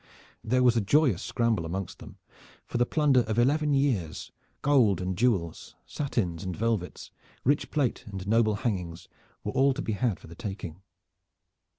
There was a joyous scramble amongst them, for the plunder of eleven years, gold and jewels, satins and velvets, rich plate and noble hangings were all to be had for the taking.